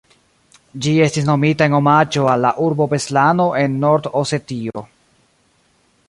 Ĝi estis nomita en omaĝo al la urbo Beslano en Nord-Osetio.